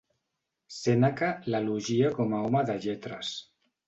Sèneca l'elogia com a home de lletres.